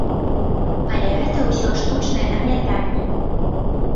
Але гэта ўсё штучнае нагнятанне.